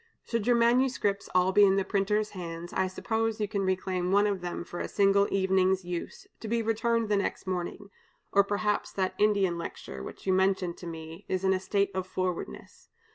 Should your manuscripts all be in the printer's hands, I suppose you can reclaim one of them for a single evening's use, to be returned the next morning, or perhaps that Indian lecture, which you mentioned to me, is in a state of forwardness.